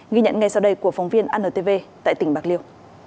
ghi nhận ngay sau đây của phóng viên antv tại tỉnh bạc liêu